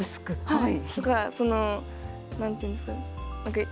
はい。